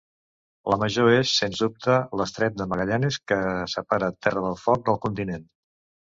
La major és, sens dubte, l'estret de Magallanes, que separa Terra del Foc del continent.